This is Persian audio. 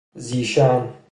ذی شان